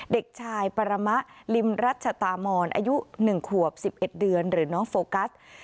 เด็กชายปรมะลิมรัชตามอนอายุ๑ขวบ๑๑เดือนหรือน้องโฟกัส